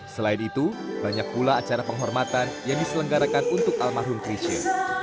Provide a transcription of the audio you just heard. selain itu banyak pula acara penghormatan yang diselenggarakan untuk almarhum krisha